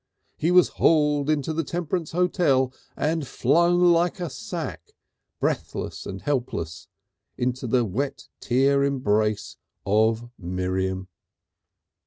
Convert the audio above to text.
He was hauled into the Temperance Hotel and flung like a sack, breathless and helpless, into the tear wet embrace of Miriam.